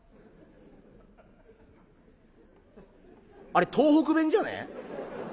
「あれ東北弁じゃねえ？